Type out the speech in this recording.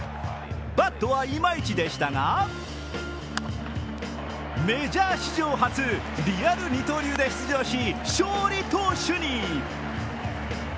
バットはイマイチでしたがメジャー史上初、リアル二刀流で出場し勝利投手に。